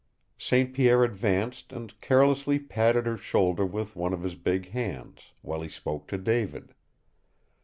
St. Pierre advanced and carelessly patted her shoulder with one of his big hands, while he spoke to David.